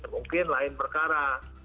mungkin lain perkara